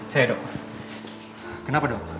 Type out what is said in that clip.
saya dok kenapa dok